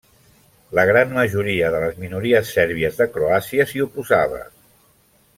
La gran majoria de les minories sèrbies de Croàcia s'hi oposava.